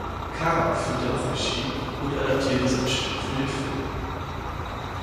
Karam führte auch Regie und adaptierte sein Stück für den Film.